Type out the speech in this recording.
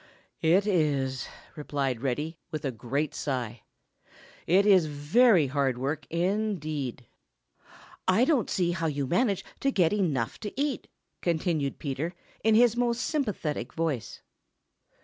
"It is," replied Reddy, with a great sigh. "It is very hard work, indeed." "I don't see how you manage to get enough to eat," continued Peter, in his most sympathetic voice.